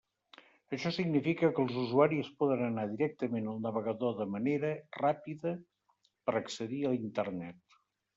Això significa que els usuaris poden anar directament al navegador de manera ràpida per accedir a Internet.